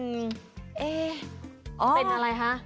เป็นอะไรฮะ